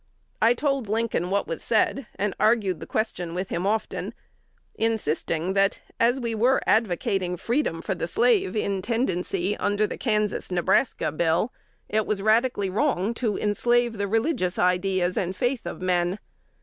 I told Lincoln what was said, and argued the question with him often, insisting that, as we were advocating freedom for the slave in tendency under the Kansas Nebraska Bill, it was radically wrong to enslave the religious ideas and faith of men.